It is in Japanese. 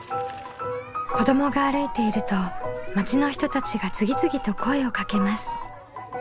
子どもが歩いていると町の人たちが次々と声をかけます。